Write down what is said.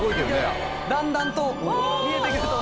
だんだんと見えてくると思います。